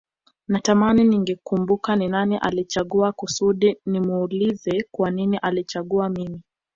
Natamani ningekumbuka ni nani alinichagua kusudi nimuulize kwa nini alinichagua mimi